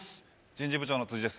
人事部長の辻です